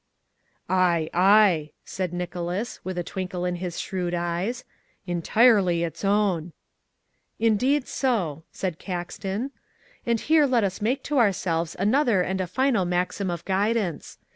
"Ay, ay," said Nicholas, with a twinkle in his shrewd eyes, "entirely its own." "Indeed so," said Caxton, "and here let us make to ourselves another and a final maxim of guidance.